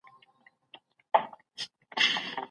د ماښام لپاره نیمه ټوټه غوښه وخورئ.